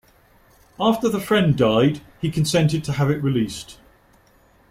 After the friend died he consented to have it released.